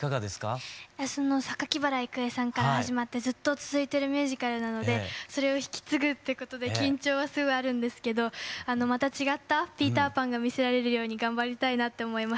原郁恵さんから始まってずっと続いてるミュージカルなのでそれを引き継ぐってことで緊張はすごいあるんですけどまた違ったピーター・パンが見せられるように頑張りたいなって思います。